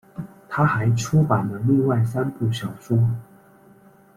她还出版了另外三部小说。